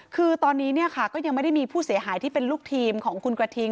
คือตอนนี้เนี่ยค่ะก็ยังไม่ได้มีผู้เสียหายที่เป็นลูกทีมของคุณกระทิง